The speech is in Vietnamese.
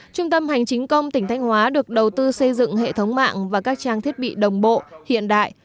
trung tâm hành chính công tỉnh thanh hóa được đầu tư xây dựng hệ thống mạng và các trang thiết bị đồng bộ hiện đại